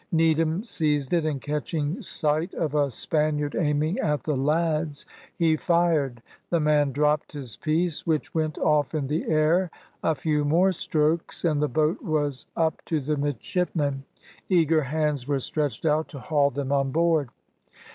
Needham seized it, and catching sight of a Spaniard aiming at the lads, he fired; the man dropped his piece, which went off in the air. A few more strokes and the boat was up to the midshipmen. Eager hands were stretched out to haul them on board.